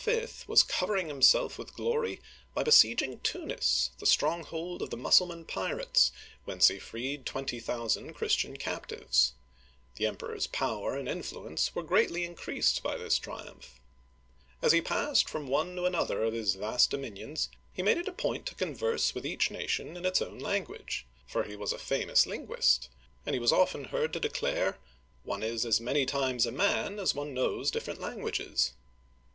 was covering himself with glory by ^ Story of the Thirteen Colonies^ page 213. Digitized by VjOOQIC 240 OLD FRANCE besieging Tunis, the stronghold of the Mussulman pirates, whence he freed twenty thousand Christian captives. The Emperor's power and influence were greatly increased by this triumph. As he passed from one to another of his vast dominions, he made it a point to converse with each nation in its own language ; for he was a famous linguist, and he was often heard to declare, " One is as many times a man as one knows different languages